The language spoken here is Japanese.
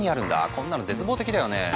こんなの絶望的だよね。